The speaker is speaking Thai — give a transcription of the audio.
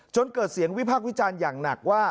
จนเกิดเสียงวิพากษ์วิจารณ์อย่างหนักว่า